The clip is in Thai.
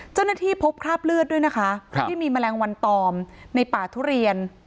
เจ้าหน้าที่พบคราบเลือดด้วยนะคะที่มีแมลงวันตอมในป่าทุเรียน